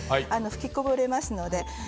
吹きこぼれますので。